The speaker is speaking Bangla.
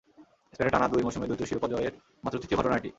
স্পেনে টানা দুই মৌসুমে দ্বৈত শিরোপা জয়ের মাত্র তৃতীয় ঘটনা এটি।